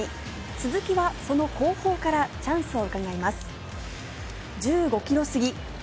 鈴木はその後方からチャンスをうかがいます。